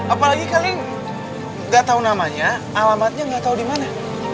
apalagi kalian gak tau namanya alamatnya gak tau dimana